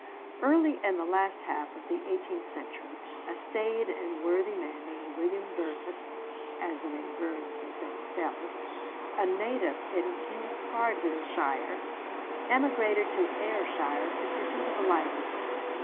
Early in the last half of the eighteenth century a staid and worthy man, named William Burness (as the name Burns was then spelled), a native of Kincardineshire, emigrated to Ayrshire in pursuit of a livelihood.